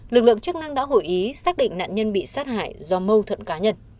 lực lượng chức năng đã hội ý xác định nạn nhân bị sát hại do mâu thuẫn cá nhân